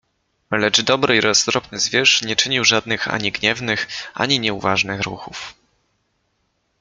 Lecz dobry i roztropny zwierz nie czynił żadnych ani gniewnych, ani nieuważnych ruchów.